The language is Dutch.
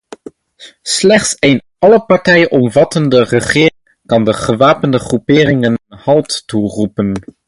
Slechts een alle partijen omvattende regering kan de gewapende groeperingen een halt toeroepen.